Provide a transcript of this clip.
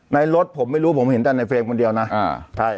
รถผมไม่รู้ผมเห็นแต่ในเฟรมคนเดียวนะอ่าใช่